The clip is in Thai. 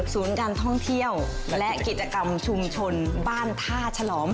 การท่องเที่ยวและกิจกรรมชุมชนบ้านท่าฉลอม